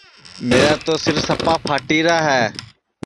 میرا تو سِر سپا پھاٹیرا ہے